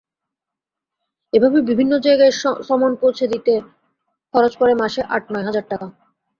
এভাবে বিভিন্ন জায়গায় সমন পৌঁছে দিতে খরচ পড়ে মাসে আট-নয় হাজার টাকা।